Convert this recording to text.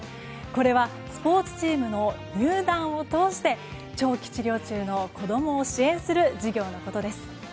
これはスポーツチームの入団を通して長期治療中の子供を支援する事業のことです。